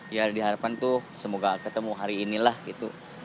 ya diharapkan tuh semoga ketemu hari inilah gitu